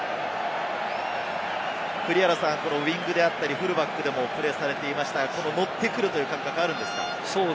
ウイングであったり、フルバックでもプレーされていた栗原さん、ノッてくるということはあるんですか？